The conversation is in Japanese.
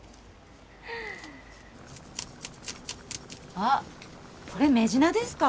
あっこれメジナですか？